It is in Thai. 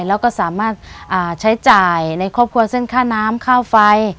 แล้วก็สามารถใช้จ่ายในครอบครัวเส้นค่าน้ำค่าไฟ